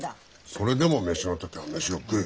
それでも飯の時は飯を食え。